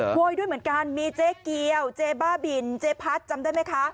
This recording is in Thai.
โวยด้วยเหมือนกันมีเจ๊เกียวเจ๊บ้าบินเจ๊พัดจำได้ไหมคะ